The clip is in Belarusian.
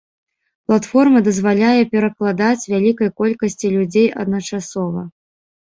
Платформа дазваляе перакладаць вялікай колькасці людзей адначасова.